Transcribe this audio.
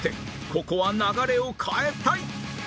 ここは流れを変えたい！